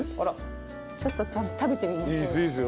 ちょっと食べてみましょうよ。